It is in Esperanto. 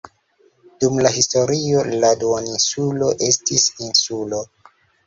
Dum la historio la duoninsulo estis insulo.